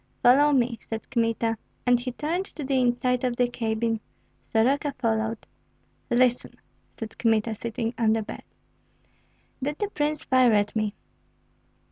"Follow me," said Kmita. And he turned to the inside of the cabin. Soroka followed. "Listen," said Kmita, sitting on the bed. "Did the prince fire at me?"